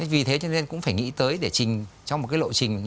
vì thế cho nên cũng phải nghĩ tới để trình cho một cái lộ trình